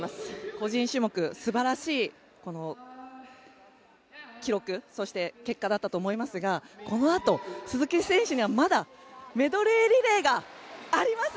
個人種目素晴らしい記録そして結果だったと思いますがこのあと鈴木選手にはまだメドレーリレーがあります。